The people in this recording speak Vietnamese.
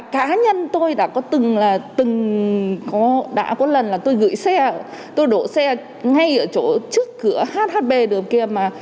cá nhân tôi đã có từng là từng đã có lần là tôi gửi xe tôi đổ xe ngay ở chỗ trước cửa hhb điều kia mà